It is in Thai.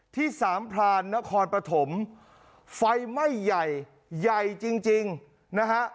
ที่สามพรานนครปฐมไฟไหม้ใหญ่ใหญ่จริงจริงนะฮะ